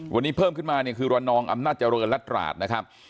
วันนี้เพิ่มขึ้นมาคือรวรนองอำนาจรณ์ลัดหลาดนะครับ